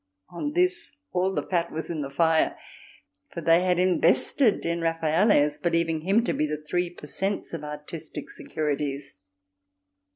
On this all the fat was in the fire, for they had invested in Raffaelle as believing him to be the Three per Cents of artistic securities.